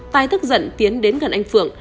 tài thức giận tiến đến gần anh phượng